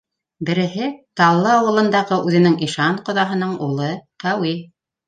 — Береһе Таллы ауылындағы үҙенең ишан ҡоҙаһының улы Ҡәүи.